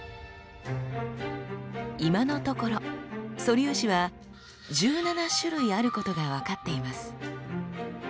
今のところ素粒子は１７種類あることが分かっています。